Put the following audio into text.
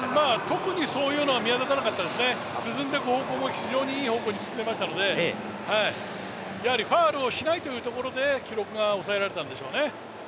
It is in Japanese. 特にそういうのは見当たらなかったですね、進んでいく方向も非常にいい方向に進んでいきましたのでやはりファウルをしないというところで、記録がおさえられたんでしょうね。